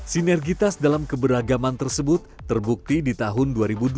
sinergitas dalam keberagaman tersebut terbukti di tahun dua ribu dua puluh